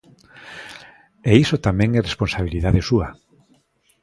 E iso tamén é responsabilidade súa.